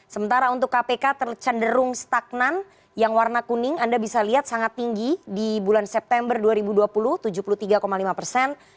sementara untuk kpk tercenderung stagnan yang warna kuning anda bisa lihat sangat tinggi di bulan september dua ribu dua puluh tujuh puluh tiga lima persen